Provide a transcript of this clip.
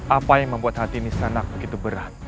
apa yang membuat hati nisana begitu berat